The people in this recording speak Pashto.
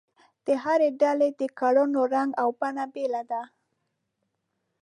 د هرې ډلې د کړنو رنګ او بڼه بېله ده.